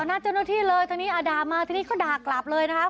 หน้าเจ้าหน้าที่เลยตอนนี้ด่ามาทีนี้ก็ด่ากลับเลยนะคะ